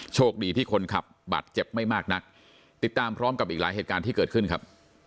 โชคดีที่คนขับบาดเจ็บไม่มากนักติดตามพร้อมกับอีกหลายเหตุการณ์ที่เกิดขึ้นครับ